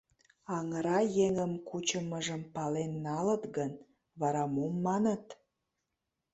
Аҥыра еҥым кучымыжым пален налыт гын, вара мом маныт?